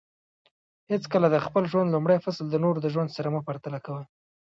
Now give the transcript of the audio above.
حیڅکله د خپل ژوند لومړی فصل د نورو د ژوند سره مه پرتله کوه